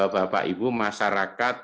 bapak ibu masyarakat